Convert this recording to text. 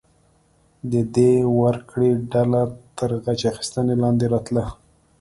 د دیه ورکړې ډله تر غچ اخیستنې لاندې راتله.